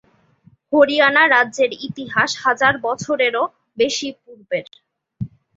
হরিয়ানা রাজ্যের ইতিহাস হাজার বছরের-ও বেশি পূর্বের।